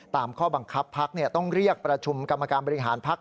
ตามข้อบังคับพักต้องเรียกประชุมกรรมการบริหารพัก